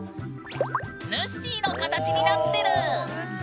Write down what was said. ぬっしーの形になってる！